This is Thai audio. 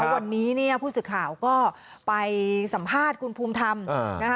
วันนี้เนี่ยผู้สื่อข่าวก็ไปสัมภาษณ์คุณภูมิธรรมนะคะ